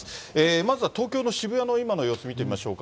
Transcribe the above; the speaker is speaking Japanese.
まずは東京の渋谷の今の様子見てみましょうか。